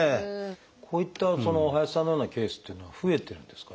こういった林さんのようなケースっていうのは増えてるんですか？